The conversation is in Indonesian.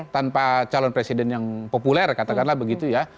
tanpa calon presiden yang populer katakanlah begitu ya